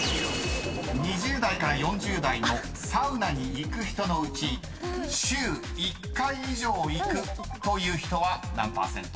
［２０代から４０代のサウナに行く人のうち週１回以上行くという人は何％？］